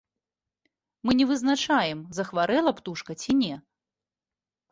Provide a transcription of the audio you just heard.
Мы не вызначаем, захварэла птушка ці не.